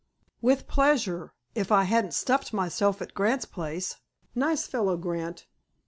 "With pleasure, if I hadn't stuffed myself at Grant's place. Nice fellow, Grant.